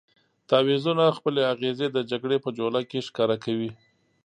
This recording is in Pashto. تعویضونه خپلې اغېزې د جګړې په جوله کې ښکاره کوي.